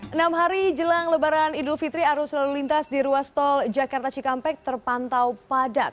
enam hari jelang lebaran idul fitri arus lalu lintas di ruas tol jakarta cikampek terpantau padat